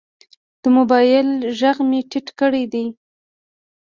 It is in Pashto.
د موبایل غږ مې ټیټ کړی دی.